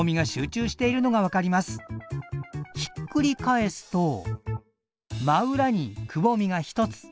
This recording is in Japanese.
ひっくり返すと真裏にくぼみが一つ。